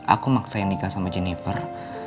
aku maksain nikah sama jennifer